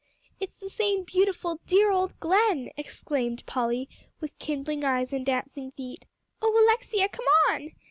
"It's the same beautiful, dear old Glen!" exclaimed Polly, with kindling eyes and dancing feet. "Oh Alexia, come on!"